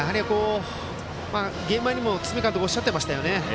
ゲーム前にも堤監督おっしゃっていましたよね。